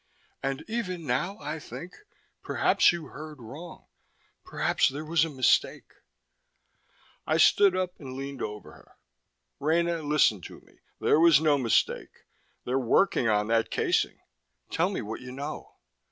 "And even now, I think, perhaps you heard wrong, perhaps there was a mistake." I stood up and leaned over her. "Rena, listen to me. There was no mistake. They're working on that casing. Tell me what you know!"